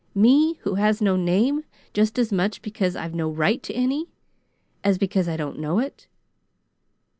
Me, who has no name just as much because I've no RIGHT to any, as because I don't know it.